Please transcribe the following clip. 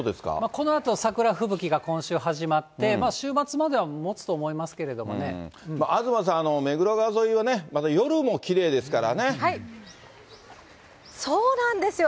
このあと桜吹雪が今週始まって、週末まではもつと思いますけ東さん、目黒川沿いはね、そうなんですよ。